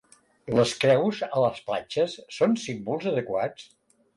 Les creus a les platges són símbols adequats?